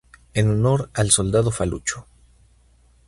En honor al soldado Falucho.